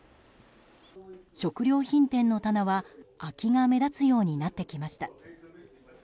食料品店の棚は、空きが目立つようになってきました。